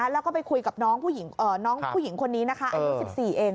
แล้วก็ไปคุยกับน้องผู้หญิงคนนี้นะคะอายุ๑๔เอง